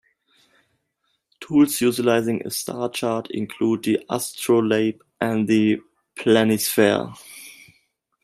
Tools utilizing a star chart include the astrolabe and the planisphere.